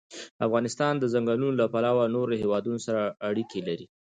افغانستان د ځنګلونه له پلوه له نورو هېوادونو سره اړیکې لري.